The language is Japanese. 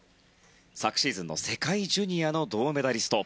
昨シーズンの世界ジュニアの銅メダリスト。